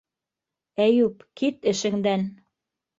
Әйүп, кит эшендән!